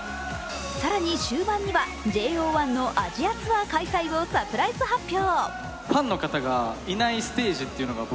更に終盤にはＪＯ１のアジアツアー開催をサプライズ発表。